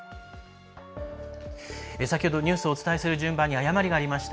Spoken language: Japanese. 先ほどニュースをお伝えする順番に誤りがありました。